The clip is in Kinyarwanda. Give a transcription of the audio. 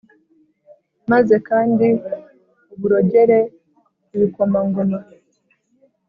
Maze kandi uborogere ibikomangoma